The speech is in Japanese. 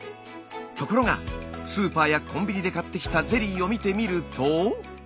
ところがスーパーやコンビニで買ってきたゼリーを見てみると。